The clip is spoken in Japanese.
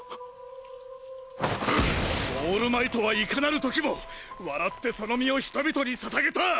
オールマイトはいかなる時も笑ってその身を人々に捧げた！